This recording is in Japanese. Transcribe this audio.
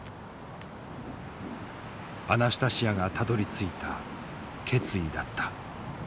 アナスタシヤがたどりついた決意だった。